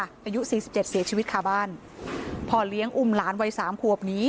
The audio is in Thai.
อายุสี่สิบเจ็ดเสียชีวิตคาบ้านพ่อเลี้ยงอุ้มหลานวัยสามขวบหนี